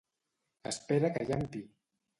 Espera que llampi!